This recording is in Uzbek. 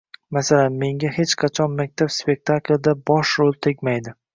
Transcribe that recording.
Masalan, “Menga hech qachon maktab spektaklida bosh rol tegmaydi”